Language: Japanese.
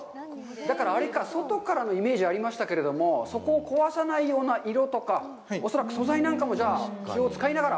だからあれか、外からのイメージありましたけれども、そこを壊さないような色とか、恐らく素材なんかも、気を使いながら？